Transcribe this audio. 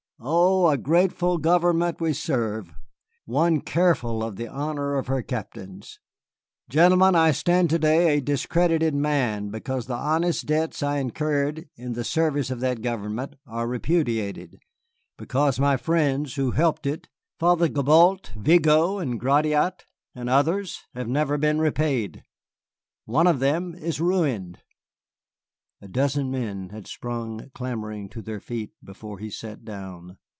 Oh, a grateful government we serve, one careful of the honor of her captains. Gentlemen, I stand to day a discredited man because the honest debts I incurred in the service of that government are repudiated, because my friends who helped it, Father Gibault, Vigo, and Gratiot, and others have never been repaid. One of them is ruined." A dozen men had sprung clamoring to their feet before he sat down.